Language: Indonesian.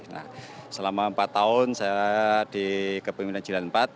nah selama empat tahun saya di kepemimpinan jalan empat